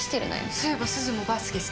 そういえばすずもバスケ好きだよね？